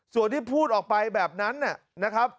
ส่วนที่พูดออกไปแบบนั้นนะครับ